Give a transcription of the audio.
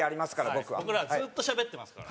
僕らはずっとしゃべってますから。